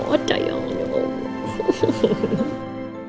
aduh dayangnya oma